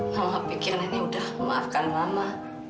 mama pikir nenek udah memaafkan mama